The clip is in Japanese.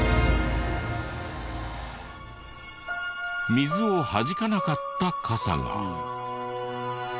水をはじかなかった傘が。